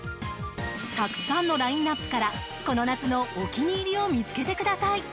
たくさんのラインアップからこの夏のお気に入りを見つけてください。